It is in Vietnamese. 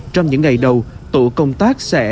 trong những ngày đầu tổ công tác sẽ